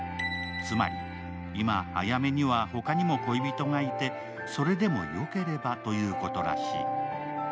つまり、今あやめには他にも恋人がいて、それでもよければということらしい。